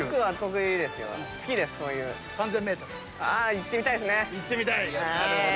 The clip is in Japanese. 行ってみたいですね。